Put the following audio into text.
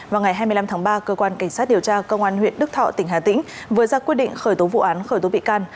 vào ngày hai mươi năm tháng ba cơ quan cảnh sát điều tra công an huyện đức thọ tỉnh hà tĩnh vừa ra quyết định khởi tố vụ án khởi tố bị can